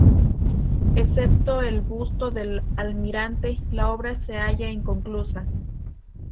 Excepto el busto del almirante, la obra se halla inconclusa.